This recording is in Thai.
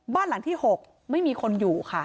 บ้านหลังที่๖ไม่มีคนอยู่ค่ะ